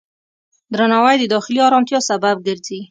درناوی د داخلي آرامتیا سبب ګرځي.